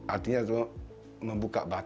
artinya itu membuka bahan